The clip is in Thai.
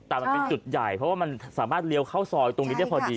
แต่มันเป็นจุดใหญ่เพราะว่ามันสามารถเลี้ยวเข้าซอยตรงนี้ได้พอดี